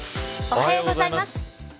おはようございます。